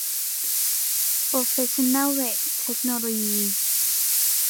โปรเฟสชั่นแนล เวสต์ เทคโนโลยี